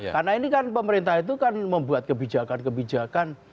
karena ini kan pemerintah itu kan membuat kebijakan kebijakan